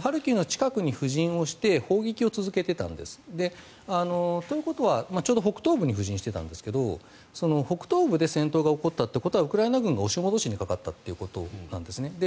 ハルキウの近くに布陣を敷いて砲撃を続けていたわけです。ということはちょうど北東部に布陣を敷いていたんですが北東部で戦闘が起こったということはウクライナ軍が押し戻しにかかったということなんですね。